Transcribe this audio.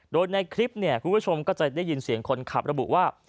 โดยในคลิปเนี่ยคุณผู้ชมก็จะได้ยินเสียงคนขับระบุว่า